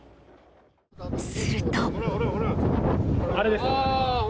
すると。